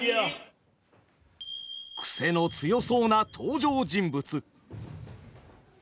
クセの強そうな登場人物。